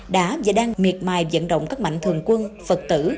đã và đang miệt mài dẫn động các mạnh thường quân phật tử